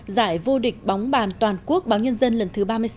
giải vô địch bóng bàn toàn quốc báo nhân dân lần thứ ba mươi sáu